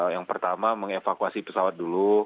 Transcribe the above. yang pertama mengevakuasi pesawat dulu